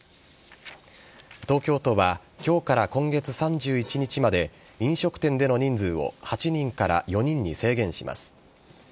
東京都はきょうから今月３１日まで、飲食店での人数を８人から４人に制限します。